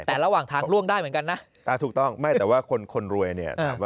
แต่ระหว่างทางล่วงได้เหมือนกันนะถูกต้องไม่แต่ว่าคนคนรวยเนี่ย